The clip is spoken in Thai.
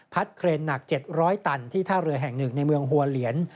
เครนหนัก๗๐๐ตันที่ท่าเรือแห่ง๑ในเมืองหัวเหลียน